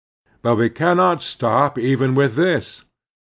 But we cannot stop even with this.